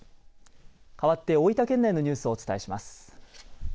かわって大分県内のニュースをお伝えします。